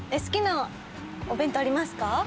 好きなお弁当ありますか？